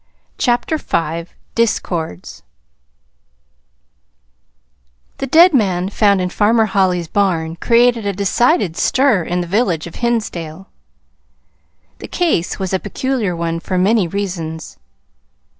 CHAPTER V DISCORDS The dead man found in Farmer Holly's barn created a decided stir in the village of Hinsdale. The case was a peculiar one for many reasons.